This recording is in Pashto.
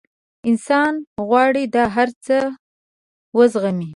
انسان غواړي دا هر څه وزغمي.